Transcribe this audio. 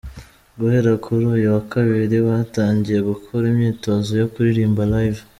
Guhera kuri uyu wa Kabiri batangiye gukora imyitozo yo kuririmba live.